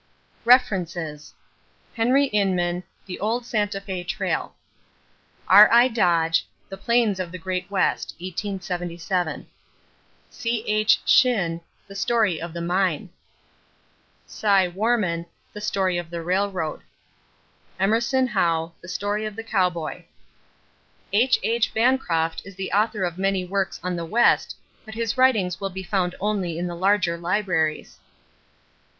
=References= Henry Inman, The Old Santa Fé Trail. R.I. Dodge, The Plains of the Great West (1877). C.H. Shinn, The Story of the Mine. Cy Warman, The Story of the Railroad. Emerson Hough, The Story of the Cowboy. H.H. Bancroft is the author of many works on the West but his writings will be found only in the larger libraries.